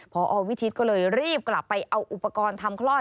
พอวิทิศก็เลยรีบกลับไปเอาอุปกรณ์ทำคลอด